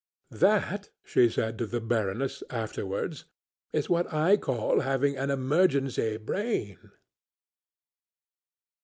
"That," she said to the Baroness afterwards "is what I call having an emergency brain."